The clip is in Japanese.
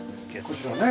こちらね。